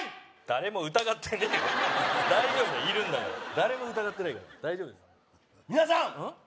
誰も疑ってねえよ大丈夫だよいるんだから誰も疑ってないから大丈夫です皆さん！